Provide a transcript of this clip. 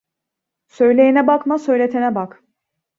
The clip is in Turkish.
Söyleyene bakma, söyletene bak.